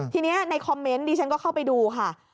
ทีนี้ในคอมเมนต์ดิฉันก็เข้าไปดูค่ะ